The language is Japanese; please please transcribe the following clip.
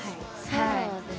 そうですね。